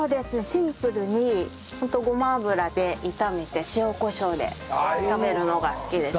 シンプルにごま油で炒めて塩コショウで食べるのが好きですね。